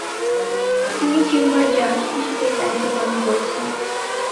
তিনি চেম্বার জাজ হিসেবে দায়িত্ব পালন করেছেন।